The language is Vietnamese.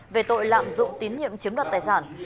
về tội lạm dụng tín nhiệm chiếm đoạt tài sản